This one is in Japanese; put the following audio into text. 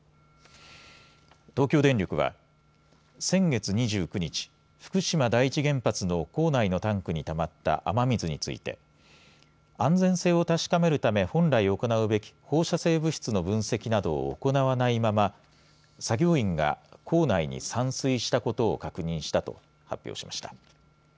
東京電力は先月２９日、福島第一原発の構内のタンクにたまった雨水について安全性を確かめるため本来行うべき放射性物質の分析などを行わないまま作業員が構内に散水したことを確認したと発表しました。